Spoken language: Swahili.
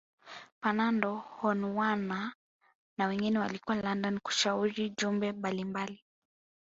Fernando Honwana na wengine walikuwa London kushauri jumbe mbali mbali